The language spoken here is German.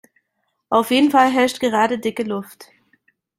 Auf jeden Fall herrscht gerade dicke Luft.